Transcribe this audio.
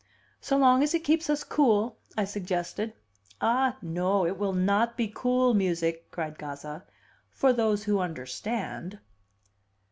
"So long as it keeps us cool," I suggested. "Ah, no! It will not be cool music!" cried Gazza "for those who understand."